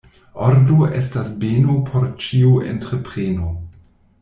Ordo estas beno por ĉiu entrepreno.